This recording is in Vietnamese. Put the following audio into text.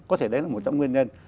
có thể đấy là một trong nguyên nhân